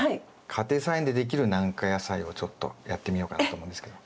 家庭菜園でできる軟化野菜をちょっとやってみようかなと思うんですけど。